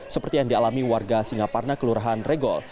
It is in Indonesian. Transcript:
seperti yang dialami warga singaparna kelurahan regol